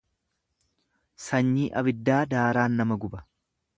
Sanyii abiddaa daaraan nama guba.